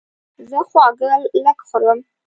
زه خواږه لږ خورم.